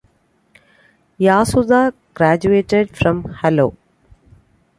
Yasuda graduated from Hello!